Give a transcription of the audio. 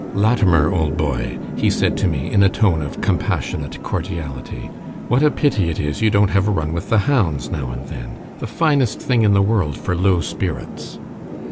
"Latimer, old boy," he said to me in a tone of compassionate cordiality, "what a pity it is you don't have a run with the hounds now and then! The finest thing in the world for low spirits!"